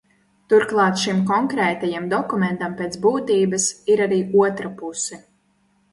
Turklāt šim konkrētajam dokumentam pēc būtības ir arī otra puse.